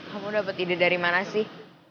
kamu dapat ide dari mana sih